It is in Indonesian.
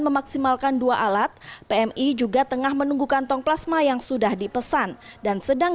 memaksimalkan dua alat pmi juga tengah menunggu kantong plasma yang sudah dipesan dan sedang